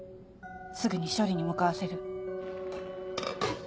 すぐに処理に向かわせる。